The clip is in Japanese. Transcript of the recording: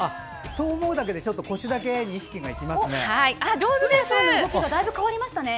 そう思うだけで腰に意識がいきますね。